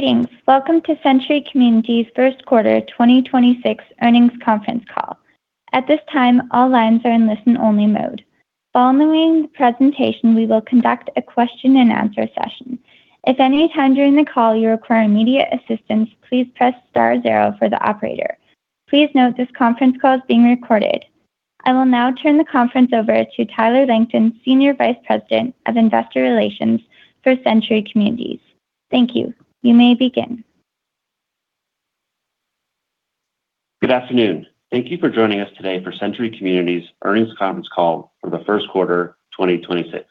Greetings. Welcome to Century Communities' first quarter 2026 earnings conference call. At this time, all lines are in listen-only mode. Following the presentation, we will conduct a question and answer session. If at any time during the call you require immediate assistance, please press star zero for the operator. Please note this conference call is being recorded. I will now turn the conference over to Tyler Langton, Senior Vice President of Investor Relations for Century Communities. Thank you. You may begin. Good afternoon. Thank you for joining us today for Century Communities' earnings conference call for the first quarter 2026.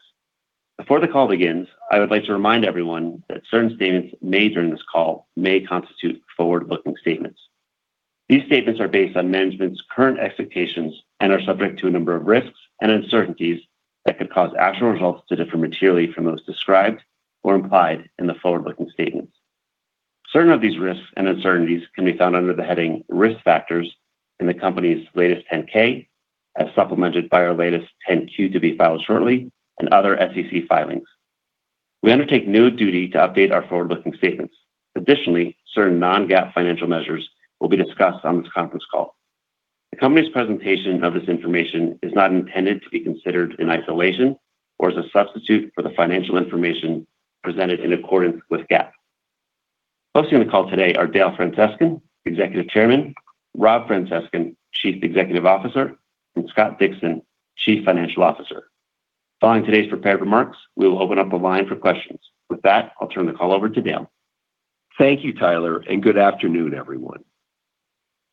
Before the call begins, I would like to remind everyone that certain statements made during this call may constitute forward-looking statements. These statements are based on management's current expectations and are subject to a number of risks and uncertainties that could cause actual results to differ materially from those described or implied in the forward-looking statements. Certain of these risks and uncertainties can be found under the heading risk factors in the company's latest 10-K, as supplemented by our latest 10-Q to be filed shortly, and other SEC filings. We undertake no duty to update our forward-looking statements. Additionally, certain non-GAAP financial measures will be discussed on this conference call. The company's presentation of this information is not intended to be considered in isolation or as a substitute for the financial information presented in accordance with GAAP. Hosting the call today are Dale Francescon, Executive Chairman, Rob Francescon, Chief Executive Officer, and Scott Dixon, Chief Financial Officer. Following today's prepared remarks, we will open up a line for questions. With that, I'll turn the call over to Dale. Thank you, Tyler, and good afternoon, everyone.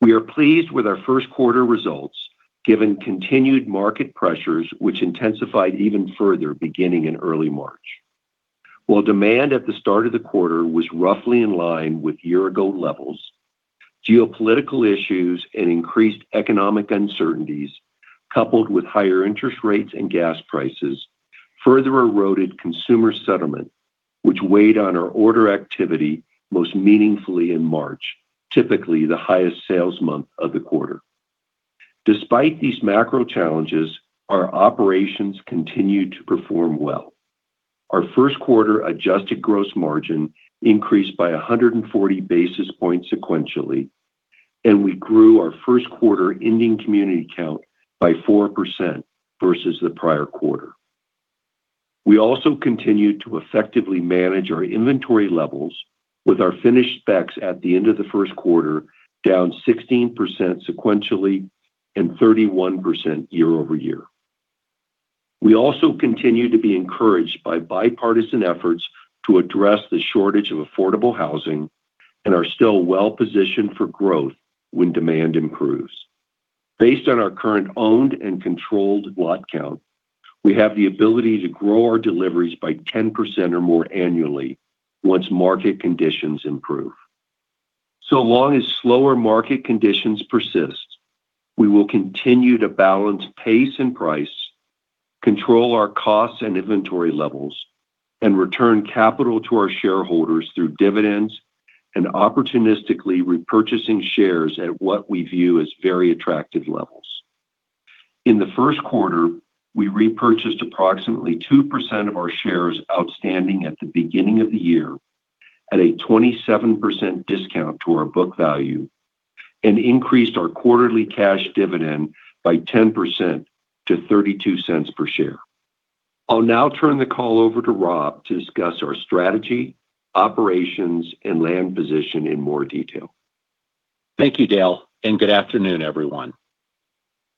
We are pleased with our first quarter results, given continued market pressures, which intensified even further beginning in early March. While demand at the start of the quarter was roughly in line with year-ago levels, geopolitical issues and increased economic uncertainties, coupled with higher interest rates and gas prices, further eroded consumer sentiment, which weighed on our order activity most meaningfully in March, typically the highest sales month of the quarter. Despite these macro challenges, our operations continued to perform well. Our first quarter adjusted gross margin increased by 140 basis points sequentially, and we grew our first quarter ending community count by 4% versus the prior quarter. We also continued to effectively manage our inventory levels with our finished specs at the end of the first quarter, down 16% sequentially and 31% year-over-year. We also continue to be encouraged by bipartisan efforts to address the shortage of affordable housing and are still well positioned for growth when demand improves. Based on our current owned and controlled lot count, we have the ability to grow our deliveries by 10% or more annually once market conditions improve. So long as slower market conditions persist, we will continue to balance pace and price, control our costs and inventory levels, and return capital to our shareholders through dividends and opportunistically repurchasing shares at what we view as very attractive levels. In the first quarter, we repurchased approximately 2% of our shares outstanding at the beginning of the year at a 27% discount to our book value and increased our quarterly cash dividend by 10% to $0.32 per share. I'll now turn the call over to Rob to discuss our strategy, operations, and land position in more detail. Thank you, Dale, and good afternoon, everyone.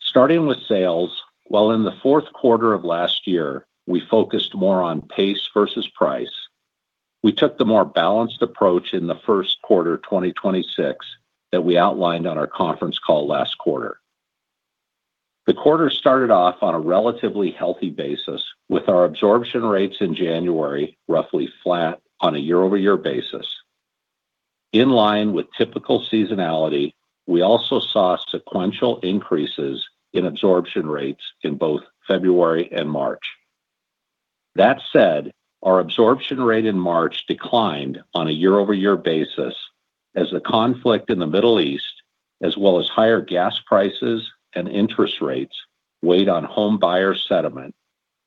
Starting with sales. While in the fourth quarter of last year, we focused more on pace versus price, we took the more balanced approach in the first quarter 2026 that we outlined on our conference call last quarter. The quarter started off on a relatively healthy basis, with our absorption rates in January roughly flat on a year-over-year basis. In line with typical seasonality, we also saw sequential increases in absorption rates in both February and March. That said, our absorption rate in March declined on a year-over-year basis as the conflict in the Middle East, as well as higher gas prices and interest rates, weighed on home buyer sentiment,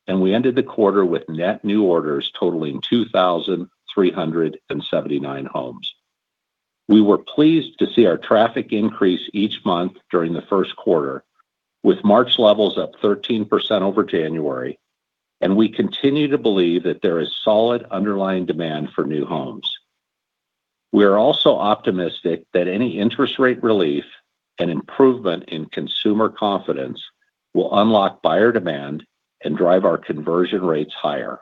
and we ended the quarter with net new orders totaling 2,379 homes. We were pleased to see our traffic increase each month during the first quarter, with March levels up 13% over January, and we continue to believe that there is solid underlying demand for new homes. We are also optimistic that any interest rate relief and improvement in consumer confidence will unlock buyer demand and drive our conversion rates higher.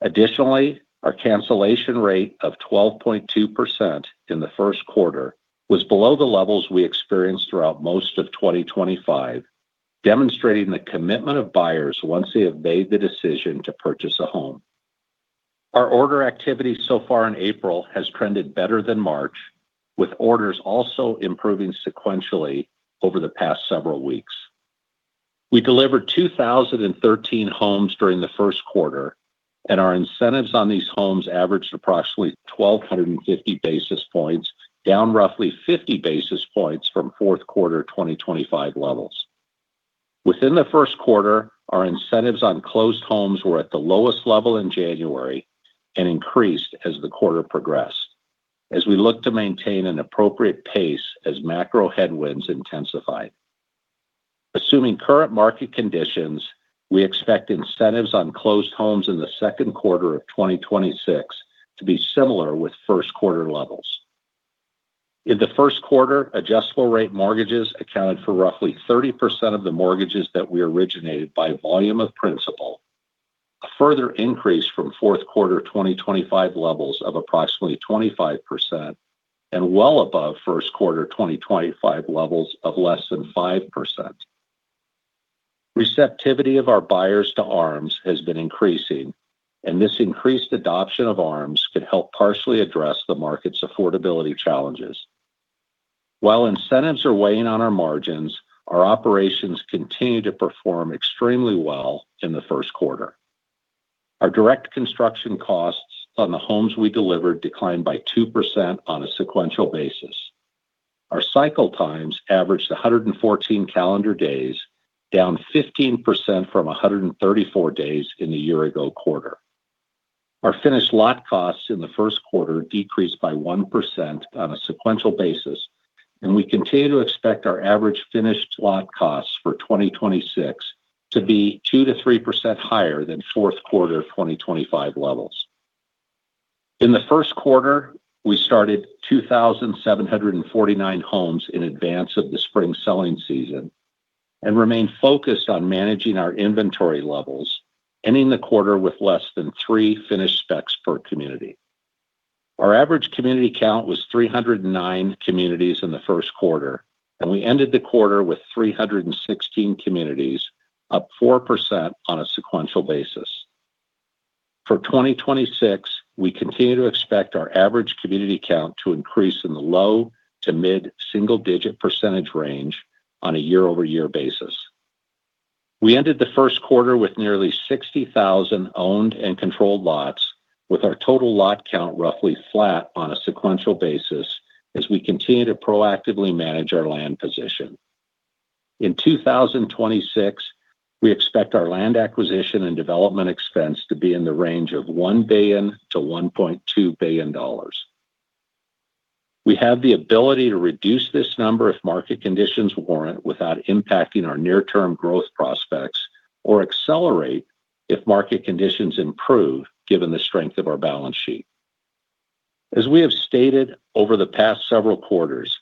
Additionally, our cancellation rate of 12.2% in the first quarter was below the levels we experienced throughout most of 2025, demonstrating the commitment of buyers once they have made the decision to purchase a home. Our order activity so far in April has trended better than March, with orders also improving sequentially over the past several weeks. We delivered 2,013 homes during the first quarter, and our incentives on these homes averaged approximately 1,250 basis points, down roughly 50 basis points from fourth quarter 2025 levels. Within the first quarter, our incentives on closed homes were at the lowest level in January and increased as the quarter progressed as we look to maintain an appropriate pace as macro headwinds intensified. Assuming current market conditions, we expect incentives on closed homes in the second quarter of 2026 to be similar with first quarter levels. In the first quarter, adjustable rate mortgages accounted for roughly 30% of the mortgages that we originated by volume of principal, a further increase from fourth quarter 2025 levels of approximately 25% and well above first quarter 2025 levels of less than 5%. Receptivity of our buyers to ARMs has been increasing, and this increased adoption of ARMs could help partially address the market's affordability challenges. While incentives are weighing on our margins, our operations continue to perform extremely well in the first quarter. Our direct construction costs on the homes we delivered declined by 2% on a sequential basis. Our cycle times averaged 114 calendar days, down 15% from 134 days in the year-ago quarter. Our finished lot costs in the first quarter decreased by 1% on a sequential basis, and we continue to expect our average finished lot costs for 2026 to be 2% to 3% higher than fourth quarter 2025 levels. In the first quarter, we started 2,749 homes in advance of the spring selling season and remained focused on managing our inventory levels, ending the quarter with less than three finished specs per community. Our average community count was 309 communities in the first quarter, and we ended the quarter with 316 communities, up 4% on a sequential basis. For 2026, we continue to expect our average community count to increase in the low to mid single-digit percentage range on a year-over-year basis. We ended the first quarter with nearly 60,000 owned and controlled lots, with our total lot count roughly flat on a sequential basis as we continue to proactively manage our land position. In 2026, we expect our land acquisition and development expense to be in the range of $1 to 1.2 billion. We have the ability to reduce this number if market conditions warrant without impacting our near-term growth prospects or accelerate if market conditions improve, given the strength of our balance sheet. As we have stated over the past several quarters,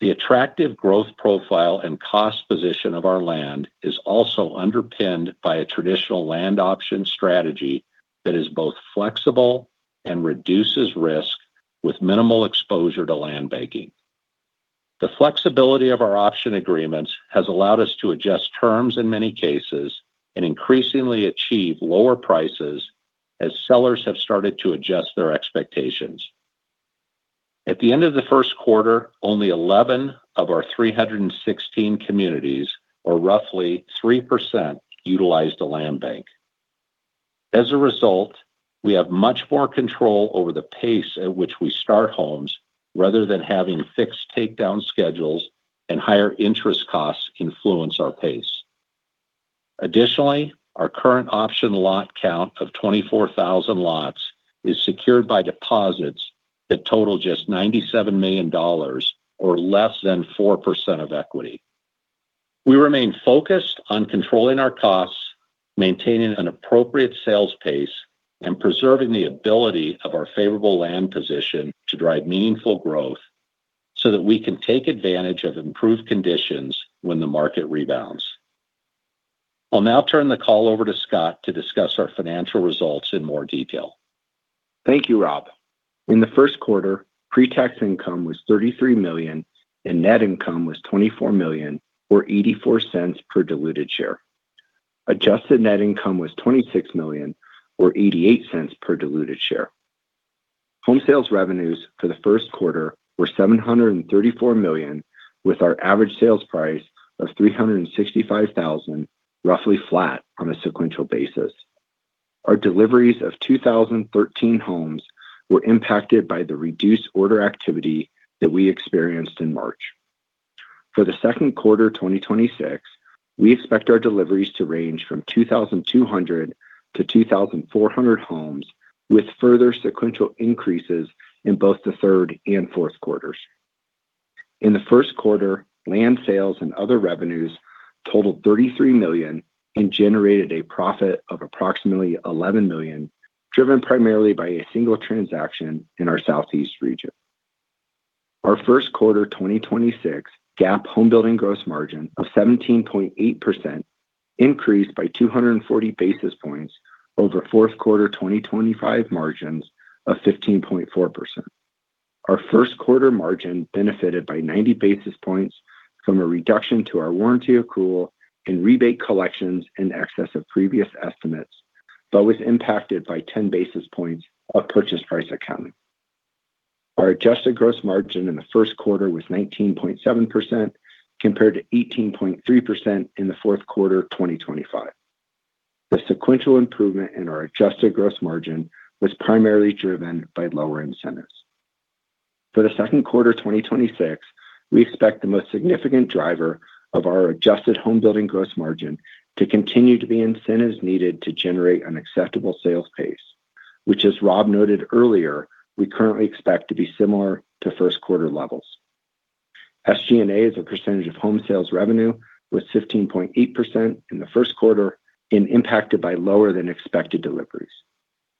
the attractive growth profile and cost position of our land is also underpinned by a traditional land option strategy that is both flexible and reduces risk with minimal exposure to land banking. The flexibility of our option agreements has allowed us to adjust terms in many cases and increasingly achieve lower prices as sellers have started to adjust their expectations. At the end of the first quarter, only 11 of our 316 communities, or roughly 3%, utilized a land bank. As a result, we have much more control over the pace at which we start homes rather than having fixed takedown schedules and higher interest costs influence our pace. Additionally, our current option lot count of 24,000 lots is secured by deposits that total just $97 million or less than 4% of equity. We remain focused on controlling our costs, maintaining an appropriate sales pace, and preserving the ability of our favorable land position to drive meaningful growth so that we can take advantage of improved conditions when the market rebounds. I'll now turn the call over to Scott to discuss our financial results in more detail. Thank you, Rob. In the first quarter, pre-tax income was $33 million, and net income was $24 million or $0.84 per diluted share. Adjusted net income was $26 million or $0.88 per diluted share. Home sales revenues for the first quarter were $734 million, with our average sales price of $365,000 roughly flat on a sequential basis. Our deliveries of 2,013 homes were impacted by the reduced order activity that we experienced in March. For the second quarter 2026, we expect our deliveries to range from 2,200 to 2,400 homes, with further sequential increases in both the third and fourth quarters. In the first quarter, land sales and other revenues totaled $33 million and generated a profit of approximately $11 million, driven primarily by a single transaction in our South East region. Our first quarter 2026 GAAP home building gross margin of 17.8% increased by 240 basis points over fourth quarter 2025 margins of 15.4%. Our first quarter margin benefited by 90 basis points from a reduction to our warranty accrual and rebate collections in excess of previous estimates, but was impacted by 10 basis points of purchase price accounting. Our adjusted gross margin in the first quarter was 19.7%, compared to 18.3% in the fourth quarter of 2025. The sequential improvement in our adjusted gross margin was primarily driven by lower incentives. For the second quarter 2026, we expect the most significant driver of our adjusted home building gross margin to continue to be incentives needed to generate an acceptable sales pace, which as Rob noted earlier, we currently expect to be similar to first quarter levels. SG&A as a percentage of home sales revenue was 15.8% in the first quarter and impacted by lower than expected deliveries.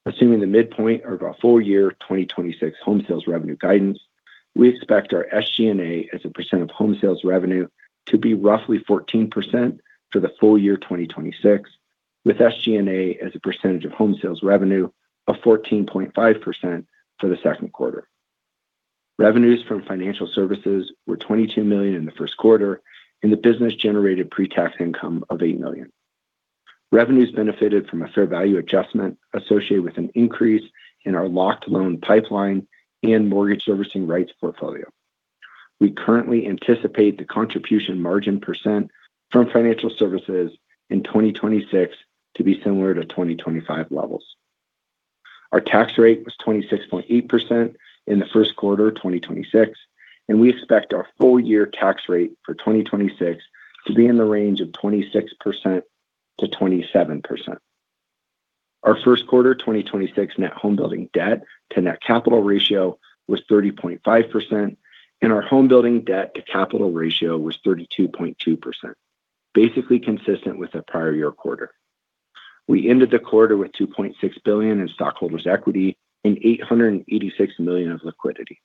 Assuming the midpoint of our full year 2026 home sales revenue guidance, we expect our SG&A as a percent of home sales revenue to be roughly 14% for the full year 2026, with SG&A as a percentage of home sales revenue of 14.5% for the second quarter. Revenues from financial services were $22 million in the first quarter, and the business generated pre-tax income of $8 million. Revenues benefited from a fair value adjustment associated with an increase in our locked loan pipeline and mortgage servicing rights portfolio. We currently anticipate the contribution margin percent from financial services in 2026 to be similar to 2025 levels. Our tax rate was 26.8% in the first quarter of 2026, and we expect our full year tax rate for 2026 to be in the range of 26% to 27%. Our first quarter 2026 net home building debt to net capital ratio was 30.5%, and our home building debt to capital ratio was 32.2%, basically consistent with the prior year quarter. We ended the quarter with $2.6 billion in stockholders' equity and $886 million of liquidity.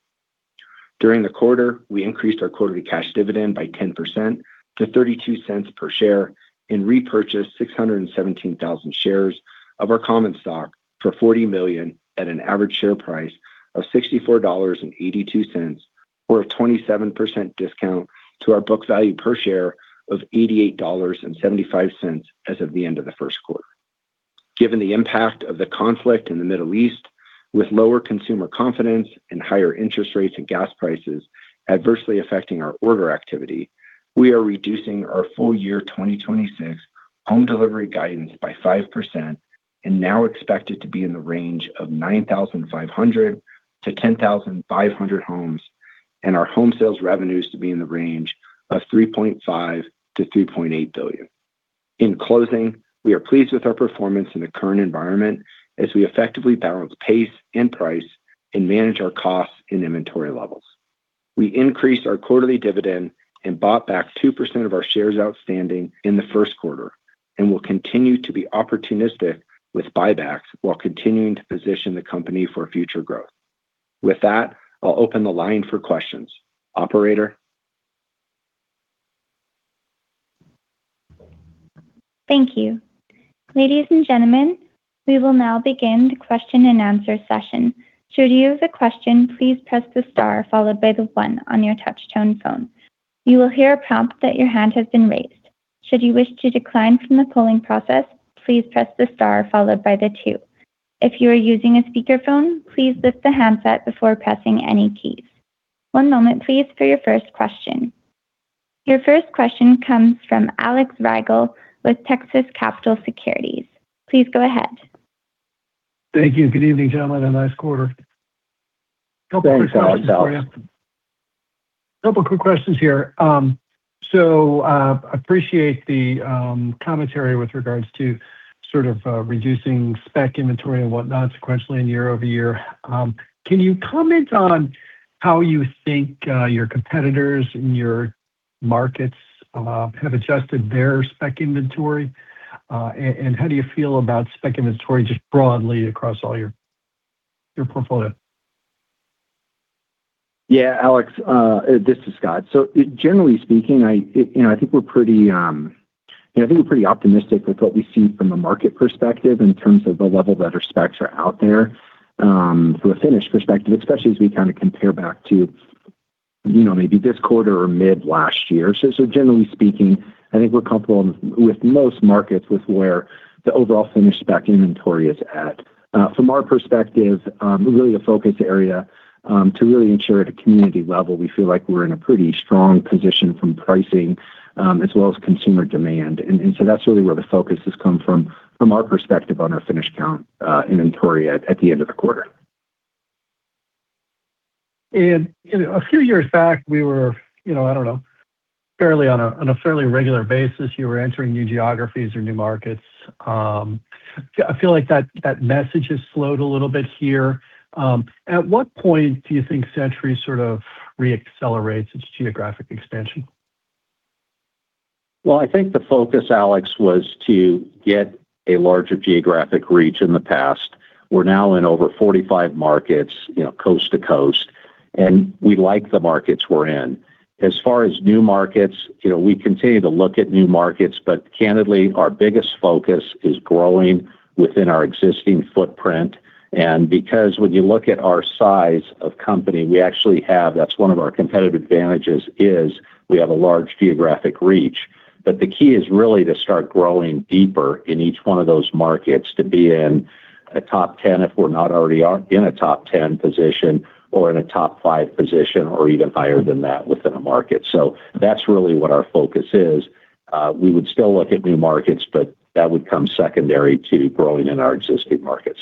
During the quarter, we increased our quarterly cash dividend by 10% to $0.32 per share and repurchased 617,000 shares of our common stock for $40 million at an average share price of $64.82 or a 27% discount to our book value per share of $88.75 as of the end of the first quarter. Given the impact of the conflict in the Middle East with lower consumer confidence and higher interest rates and gas prices adversely affecting our order activity, we are reducing our full year 2026 home delivery guidance by 5% and now expect it to be in the range of 9,500 to 10,500 homes, and our home sales revenues to be in the range of $3.5 to 3.8 billion. In closing, we are pleased with our performance in the current environment as we effectively balance pace and price and manage our costs and inventory levels. We increased our quarterly dividend and bought back 2% of our shares outstanding in the first quarter and will continue to be opportunistic with buybacks while continuing to position the company for future growth. With that, I'll open the line for questions. Operator? Thank you. Ladies and gentlemen, we will now begin the question and answer session. Should you have a question, please press the star followed by the one on your touch tone phone. You will hear a prompt that your hand has been raised. Should you wish to decline from the polling process, please press the star followed by the two. If you are using a speakerphone, please lift the handset before pressing any keys. One moment please for your first question. Your first question comes from Alex Rygiel with Texas Capital Securities. Please go ahead. Thank you. Good evening, gentlemen, on a nice quarter. Thanks, Alex. Couple quick questions here. I appreciate the commentary with regards to sort of reducing spec inventory and whatnot sequentially and year-over-year. Can you comment on how you think your competitors in your markets have adjusted their spec inventory? How do you feel about spec inventory just broadly across all your portfolio? Yeah, Alex. This is Scott. Generally speaking, I think we're pretty optimistic with what we see from a market perspective in terms of the level that our specs are out there, from a finished perspective, especially as we kind of compare back to maybe this quarter or mid last year. Generally speaking, I think we're comfortable with most markets with where the overall finished spec inventory is at. From our perspective, really the focus area to really ensure at a community level, we feel like we're in a pretty strong position from pricing as well as consumer demand. That's really where the focus has come from our perspective on our finished count inventory at the end of the quarter. A few years back, we were, I don't know, on a fairly regular basis, you were entering new geographies or new markets. I feel like that message has slowed a little bit here. At what point do you think Century sort of re-accelerates its geographic expansion? Well, I think the focus, Alex, was to get a larger geographic reach in the past. We're now in over 45 markets, coast to coast. We like the markets we're in. As far as new markets, we continue to look at new markets, but candidly, our biggest focus is growing within our existing footprint. Because when you look at our size of company, we actually have, that's one of our competitive advantages is we have a large geographic reach. But the key is really to start growing deeper in each one of those markets to be in a top 10 if we're not already in a top 10 position or in a top five position or even higher than that within a market. That's really what our focus is. We would still look at new markets, but that would come secondary to growing in our existing markets.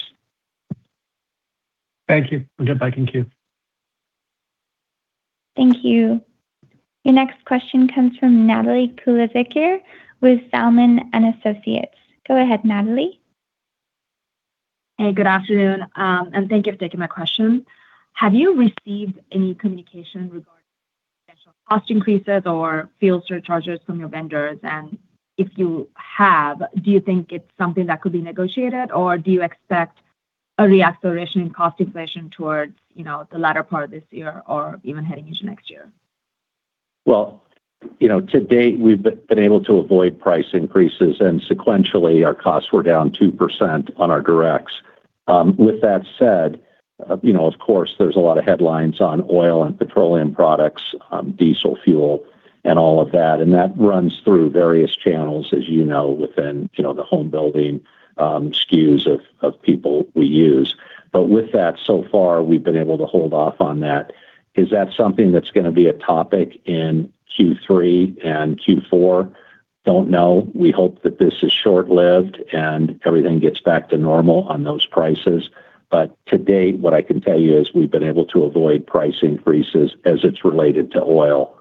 Thank you. Goodbye. Thank you. Thank you. Your next question comes from Natalie Kulasekere with Zelman & Associates. Go ahead, Natalie. Hey, good afternoon, and thank you for taking my question. Have you received any communication regarding potential cost increases or fuel surcharges from your vendors? If you have, do you think it's something that could be negotiated, or do you expect a reacceleration in cost inflation towards the latter part of this year or even heading into next year? Well, to date, we've been able to avoid price increases, and sequentially, our costs were down 2% on our directs. With that said, of course, there's a lot of headlines on oil and petroleum products, diesel fuel, and all of that, and that runs through various channels as you know within the home building SKUs of people we use. With that, so far, we've been able to hold off on that. Is that something that's going to be a topic in Q3 and Q4? Don't know. We hope that this is short-lived and everything gets back to normal on those prices. To date, what I can tell you is we've been able to avoid price increases as it's related to oil.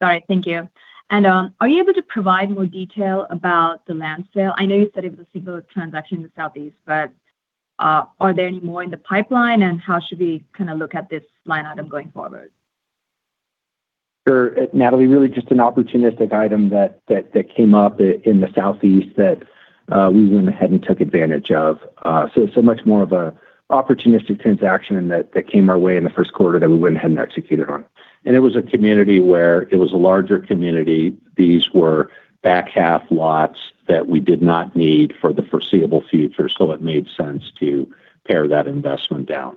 All right. Thank you. Are you able to provide more detail about the land sale? I know you said it was a single transaction in the Southeast, but are there any more in the pipeline, and how should we kind of look at this line item going forward? Sure. Natalie, really just an opportunistic item that came up in the Southeast that we went ahead and took advantage of. Much more of an opportunistic transaction that came our way in the first quarter that we went ahead and executed on. It was a community where it was a larger community. These were back-half lots that we did not need for the foreseeable future, so it made sense to pare that investment down.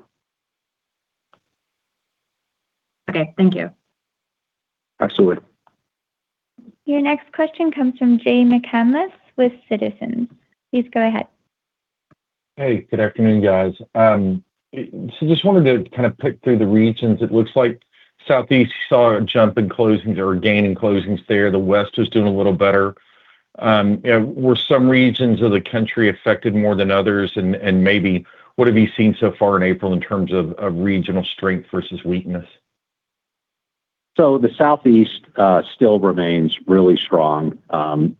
Okay. Thank you. Absolutely. Your next question comes from Jay McCanless with Citizens. Please go ahead. Hey, good afternoon, guys. Just wanted to kind of pick through the regions. It looks like Southeast saw a jump in closings or a gain in closings there. The West was doing a little better. Were some regions of the country affected more than others, and maybe what have you seen so far in April in terms of regional strength versus weakness? The Southeast still remains really strong.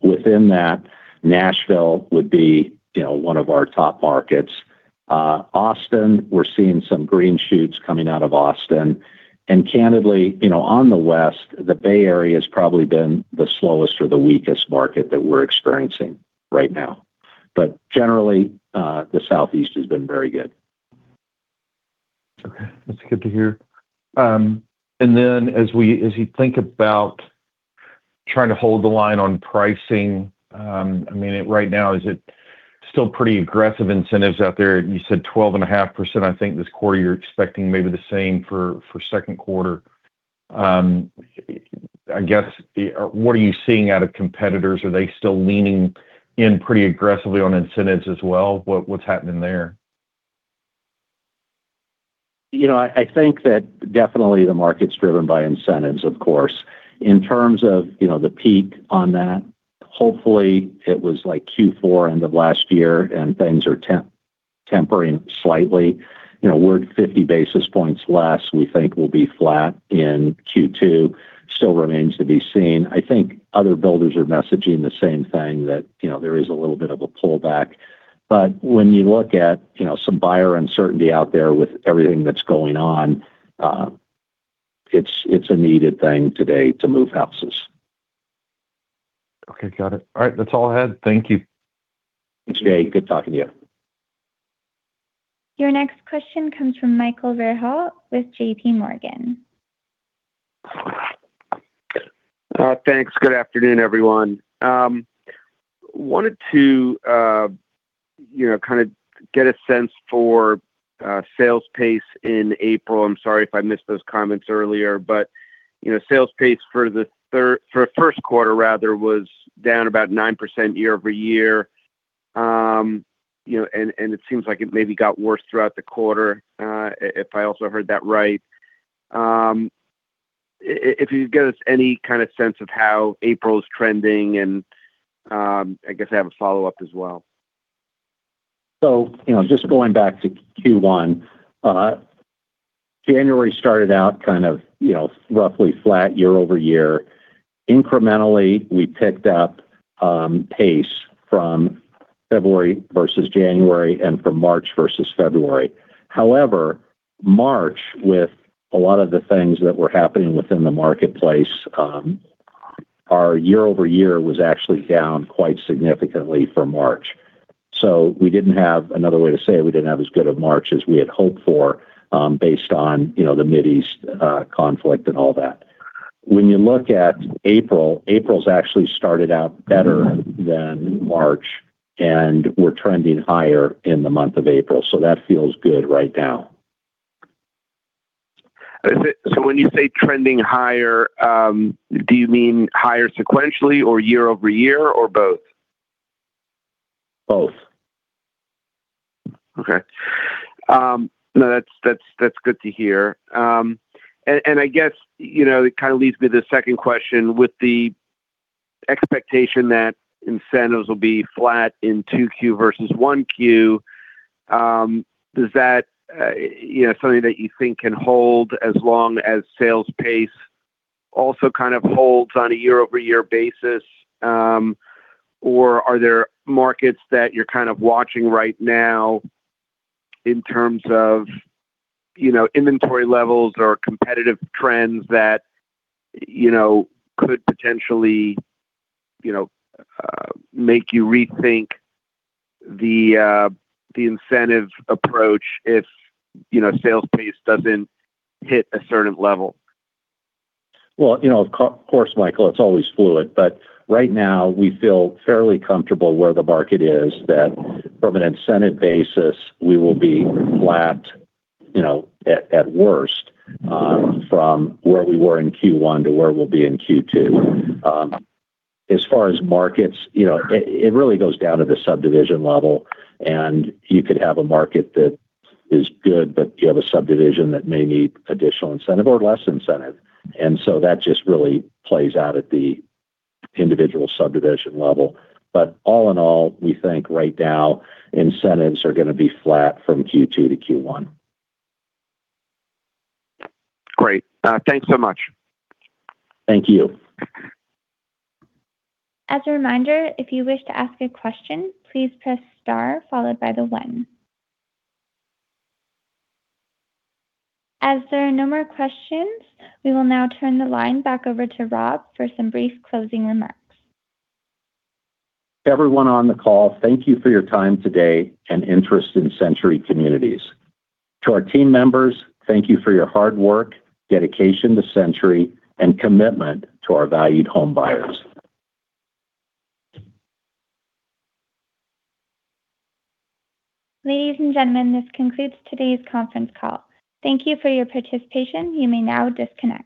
Within that, Nashville would be one of our top markets. Austin, we're seeing some green shoots coming out of Austin. Candidly, on the West, the Bay Area has probably been the slowest or the weakest market that we're experiencing right now. Generally, the Southeast has been very good. Okay. That's good to hear. As you think about trying to hold the line on pricing, I mean, right now, is it still pretty aggressive incentives out there? You said 12.5%, I think, this quarter. You're expecting maybe the same for second quarter. I guess, what are you seeing out of competitors? Are they still leaning in pretty aggressively on incentives as well? What's happening there? I think that definitely the market's driven by incentives, of course. In terms of the peak on that, hopefully it was like Q4 end of last year and things are tempering slightly. We're at 50 basis points less, we think we'll be flat in Q2. Still remains to be seen. I think other builders are messaging the same thing that there is a little bit of a pullback. When you look at some buyer uncertainty out there with everything that's going on, it's a needed thing today to move houses. Okay, got it. All right. That's all I had. Thank you. Thanks, Jay. Good talking to you. Your next question comes from Michael Rehaut with JPMorgan. Thanks. Good afternoon, everyone. I wanted to kind of get a sense for sales pace in April. I'm sorry if I missed those comments earlier, but sales pace for the first quarter was down about 9% year-over-year, and it seems like it maybe got worse throughout the quarter, if I also heard that right. If you could give us any kind of sense of how April's trending, and I guess I have a follow-up as well. Just going back to Q1. January started out kind of roughly flat year-over-year. Incrementally, we picked up pace from February versus January and from March versus February. However, March, with a lot of the things that were happening within the marketplace, our year-over-year was actually down quite significantly for March. We didn't have another way to say it. We didn't have as good of March as we had hoped for based on the Middle East conflict and all that. When you look at April's actually started out better than March, and we're trending higher in the month of April. That feels good right now. When you say trending higher, do you mean higher sequentially or year over year or both? Both. Okay. Now, that's good to hear. I guess it kind of leads me to the second question with the expectation that incentives will be flat in 2Q versus 1Q, is that something that you think can hold as long as sales pace also kind of holds on a year-over-year basis? Or are there markets that you're kind of watching right now in terms of inventory levels or competitive trends that could potentially make you rethink the incentive approach if sales pace doesn't hit a certain level? Well, of course, Michael, it's always fluid, but right now we feel fairly comfortable where the market is, that from an incentive basis, we will be flat, at worst, from where we were in Q1 to where we'll be in Q2. As far as markets, it really goes down to the subdivision level, and you could have a market that is good, but you have a subdivision that may need additional incentive or less incentive, and so that just really plays out at the individual subdivision level. All in all, we think right now incentives are going to be flat from Q2 to Q1. Great. Thanks so much. Thank you. As a reminder, if you wish to ask a question, please press star followed by the one. As there are no more questions, we will now turn the line back over to Rob for some brief closing remarks. Everyone on the call, thank you for your time today and interest in Century Communities. To our team members, thank you for your hard work, dedication to Century, and commitment to our valued home buyers. Ladies and gentlemen, this concludes today's conference call. Thank you for your participation. You may now disconnect.